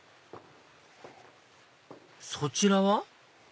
そちらは？